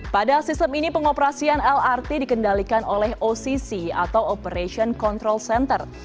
pada sistem ini pengoperasian lrt dikendalikan oleh occ atau operation control center